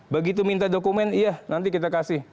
begitu minta dokumen iya nanti kita kasih